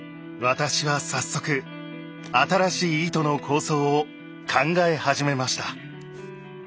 私は早速新しい糸の構想を考え始めました。